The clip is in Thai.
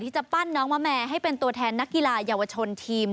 จะปั้นน้องมะแมให้เป็นตัวแทนนักกีฬาเยาวชนทีม